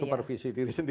supervisi diri sendiri